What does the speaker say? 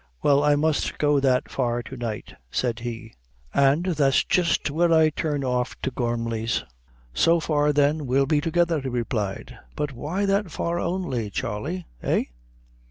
"Well, I must go that far to night," said he. "And that's jist where I turn off to the Gormly's." "So far, then, we'll be together," he replied. "But why that far only, Charley eh?"